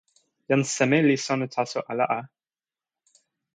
jan seme li sona taso ala a?